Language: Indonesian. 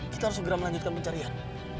kita harus segera melanjutkan pencarian